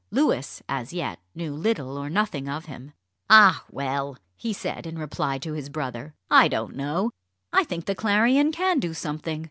Louis as yet knew little or nothing of him. "Ah, well!" he said, in reply to his brother, "I don't know. I think the Clarion can do something.